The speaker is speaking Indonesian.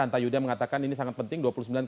anta yuda mengatakan ini sangat penting